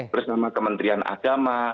bersama kementerian agama